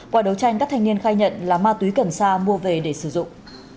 qua đấu tranh các thanh niên khai nhận là ma túy cần sa mua về để sử dụng